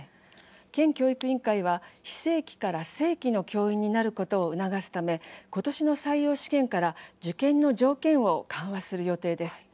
県教育委員会は非正規から正規の教員になることを促すため今年の採用試験から受験の条件を緩和する予定です。